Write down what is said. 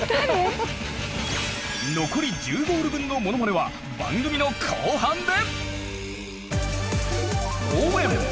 残り１０ゴール分のものまねは番組の後半で。